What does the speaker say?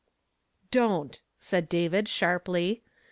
"Don't! " said David, sharply.